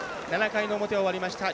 ７回の表を終わりました。